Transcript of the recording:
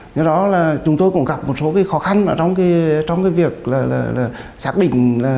do đó chúng tôi cũng gặp một số khó khăn trong việc xác định